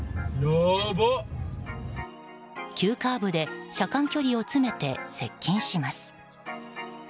急カーブで車間距離を詰めて接近します。